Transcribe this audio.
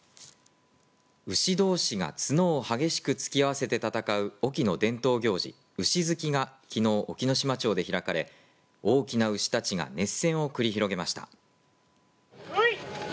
牛どうしが角を激しく突き合わせて戦う隠岐の伝統行事、牛突きがきのう、隠岐の島町で開かれ大きな牛たちが熱戦を繰り広げました。